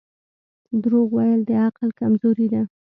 • دروغ ویل د عقل کمزوري ده.